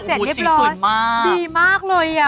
สีสวยมากเสร็จเรียบร้อยดีมากเลยอะ